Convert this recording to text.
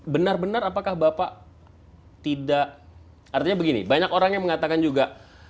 benar benar apakah bapak tidak artinya begini banyak orang yang mengatakan juga